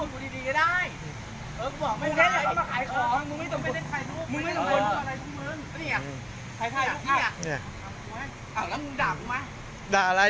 พูดกูดีก็ได้